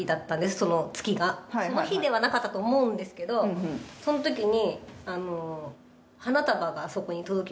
その月がその日ではなかったと思うんですけどそんときに。